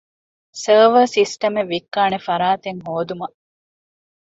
ސާވާރ ސިސްޓަމެއް ވިއްކާނެ ފަރާތެއްހޯދުމަށް